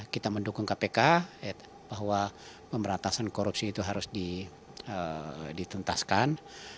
kita mendukung kpk bahwa pemberantasan korupsi itu harus ditentaskan